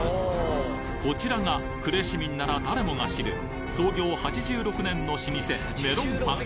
こちらが呉市民なら誰もが知る創業８６年の老舗